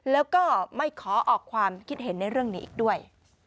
แล้วก็ไม่ขอออกความคิดเห็นในเรื่องนี้อีกด้วย